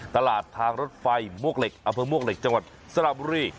ตลาดทางรถไฟมกเหล็กอาเภอมกเหล็กจังหวัดสลาบุรี